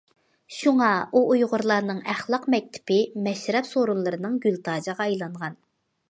شۇڭا، ئۇ ئۇيغۇرلارنىڭ ئەخلاق مەكتىپى مەشرەپ سورۇنلىرىنىڭ گۈلتاجىغا ئايلانغان.